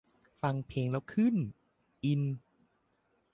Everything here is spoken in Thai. ฟังเพลงแล้วเพราะขึ้น อิน